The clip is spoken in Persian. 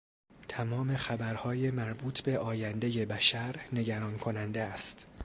تمام خبرهای مربوط به آیندهی بشر نگران کننده است.